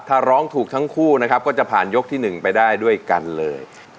ถ้าร้องถูกทั้งคู่นะครับก็จะผ่านยกที่๑ไปได้ด้วยกันเลย